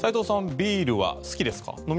ビールは好きですか？